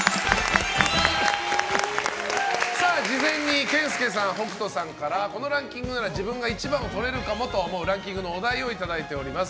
事前に健介さん、北斗さんからこのランキングなら自分が１番をとれるかもと思うランキングのお題をいただいております。